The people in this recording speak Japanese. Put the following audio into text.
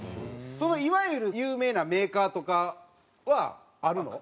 そのいわゆる有名なメーカーとかはあるの？